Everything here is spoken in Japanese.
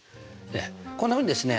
こんなふうにですね